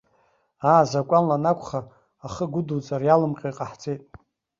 Аа, закәанла анакәха, ахы агәыдуҵар иалымҟьо иҟаҳҵеит.